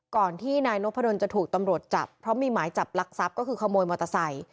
ก่อนที่นายนพดลจะถูกตำรวจจับเพราะมีหมายจับลักทรัพย์ก็คือขโมยมอเตอร์ไซค์